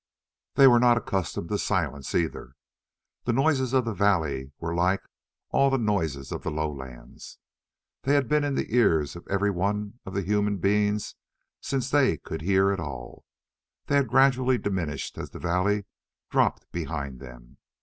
They were not accustomed to silence, either. The noises of the valley were like all the noises of the lowlands. They had been in the ears of every one of the human beings since they could hear at all. They had gradually diminished as the valley dropped behind them.